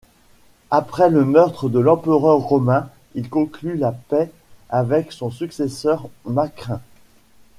Après le meurtre de l'empereur romain, il conclut la paix avec son successeur Macrin.